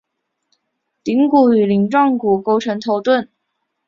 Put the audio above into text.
顶骨与鳞状骨构成头盾。